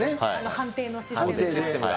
判定のシステムが。